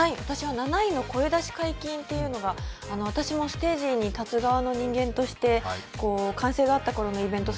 ７位の声出し解禁というのが私もステージに立つ側の人間として、歓声があったころのイベント